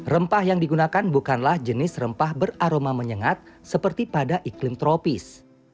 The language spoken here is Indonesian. rempah yang digunakan bukanlah jenis rempah beraroma menyengat seperti pada iklim tropis